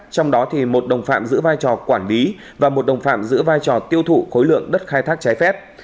trong đó một đồng phạm giữ vai trò quản lý và một đồng phạm giữ vai trò tiêu thụ khối lượng đất khai thác trái phép